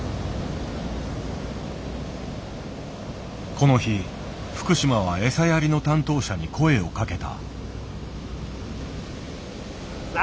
この日福島は餌やりの担当者に声をかけた。